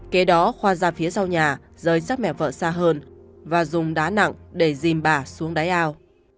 kế đó khoa ra phía sau nhà rời sát mẹ vợ xa hơn và dùng đá nặng để dìm bà xuống đáy ao